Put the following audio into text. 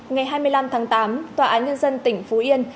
ngày hai mươi năm tháng tám tòa án nhân dân tỉnh phú yên